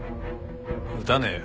撃たねえよ。